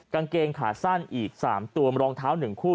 กางเกงขาสั้นอีก๓ตัวรองเท้า๑คู่